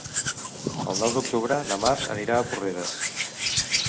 El nou d'octubre na Mar anirà a Porreres.